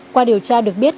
qua điều tra được biết